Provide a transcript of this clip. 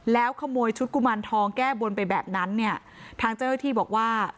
แล้วขโมยชุดกุมารทองแก้บนไปแบบนั้นเนี่ยทางเจ้าหน้าที่บอกว่า